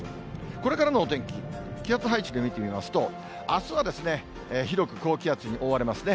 これからのお天気、気圧配置で見てみますと、あすは広く高気圧に覆われますね。